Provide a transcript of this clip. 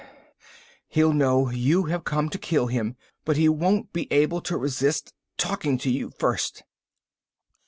He'll know you have come to kill him, but he won't be able to resist talking to you first.